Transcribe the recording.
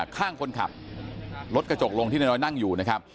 ข้างคนขับรถกระจกลงที่นายน้อยนั่งอยู่นะครับ